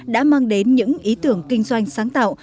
đã mang đến những ý tưởng kinh doanh sáng tạo